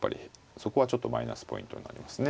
そこはちょっとマイナスポイントになりますね